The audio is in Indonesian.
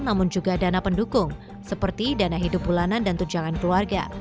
namun juga dana pendukung seperti dana hidup bulanan dan tunjangan keluarga